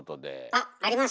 あっあります？